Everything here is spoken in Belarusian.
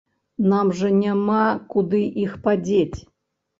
Нам жа няма куды іх падзець!